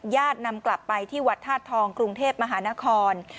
นำกลับไปที่วัดธาตุทองกรุงเทพมหานคร